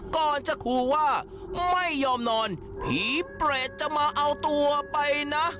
ก่อนจะขู่ว่าไม่ยอมนอนผีเปรตจะมาเอาตัวไปนะ